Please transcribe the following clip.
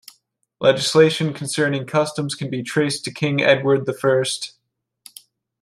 Legislation concerning customs can be traced to King Edward the First.